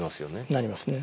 なりますね。